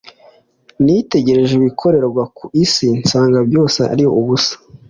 nitegereje ibikorerwa ku isi, nsanga byose ari ubusabusa